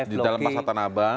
di dalam pasar tanah abang